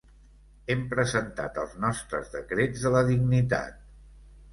Hem presentat els nostres decrets de la dignitat.